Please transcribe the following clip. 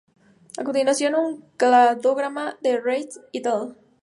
A continuación un cladograma de Reisz "et al.